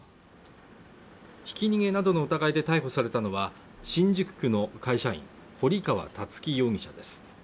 ひき逃げなどの疑いで逮捕されたのは新宿区の会社員堀河龍樹容疑者です